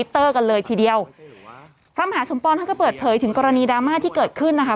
กันเลยทีเดียวพระมหาสมปองท่านก็เปิดเผยถึงกรณีดราม่าที่เกิดขึ้นนะคะ